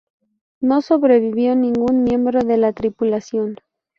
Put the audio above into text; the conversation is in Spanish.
No sobrevivió ningún miembro de la tripulación.